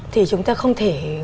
thì chúng ta không thể